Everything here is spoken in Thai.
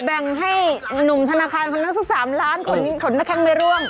แบงให้หนุ่มธนาคารคนนั้นสัก๓ล้านโ๔๑นะครัพไม่เริ่ม